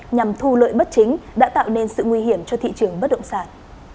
nhằm thu lợi bất chính đã tạo nên sự nguy hiểm cho thị trường bất động sản